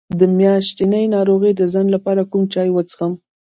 د میاشتنۍ ناروغۍ د ځنډ لپاره کوم چای وڅښم؟